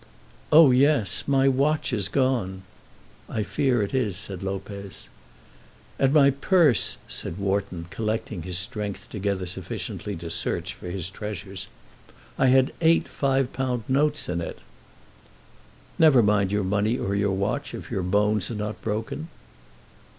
"Oh, yes. My watch is gone!" "I fear it is," said Lopez. "And my purse," said Wharton, collecting his strength together sufficiently to search for his treasures. "I had eight £5 notes in it." "Never mind your money or your watch if your bones are not broken."